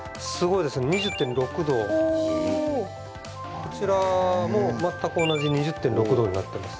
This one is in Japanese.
こちらも全く同じ２０．６度になっています。